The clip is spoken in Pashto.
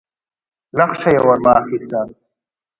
نخشه يې ور واخيسه.